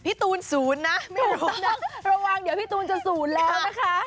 ตูน๐นะไม่รู้นะระวังเดี๋ยวพี่ตูนจะ๐แล้วนะคะ